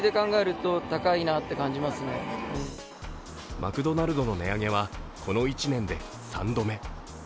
マクドナルドの値上げはこの１年で３度目。